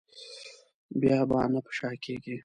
بیا به نه په شا کېږم.